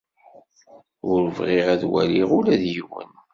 Ur bɣiɣ ad waliɣ ula d yiwen.